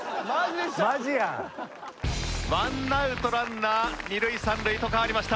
ワンアウトランナー二塁三塁と変わりました。